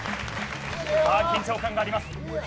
緊張感があります。